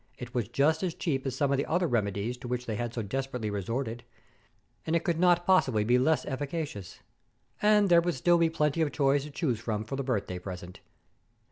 It was just as cheap as some of the other remedies to which they had so desperately resorted; and it could not possibly be less efficacious. And there would still be plenty of toys to choose from for the birthday present.